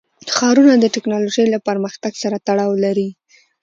ښارونه د تکنالوژۍ له پرمختګ سره تړاو لري.